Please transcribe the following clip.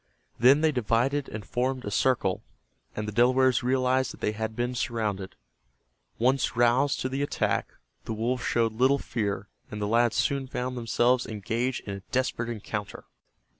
Then they divided and formed a circle, and the Delawares realized that they had been surrounded. Once roused to the attack, the wolves showed little fear, and the lads soon found themselves engaged in a desperate encounter.